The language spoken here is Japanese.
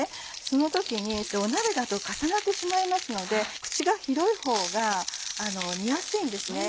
その時に鍋だと重なってしまいますので口が広いほうが煮やすいんですね。